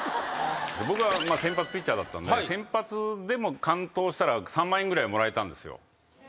僕は先発ピッチャーだったんで先発でも完投したら３万円ぐらいはもらえたんです。